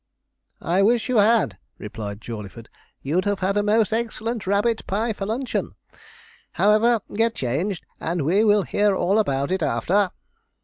'I wish you had,' replied Jawleyford, 'you'd have had a most excellent rabbit pie for luncheon. However, get changed, and we will hear all about it after.'